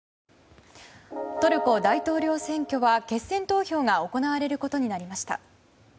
トルコ大統領選挙は決選投票が行われることになりました。